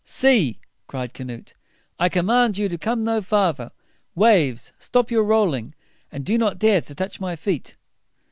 "Sea," cried Canute, "I command you to come no farther! Waves, stop your rolling, and do not dare to touch my feet!"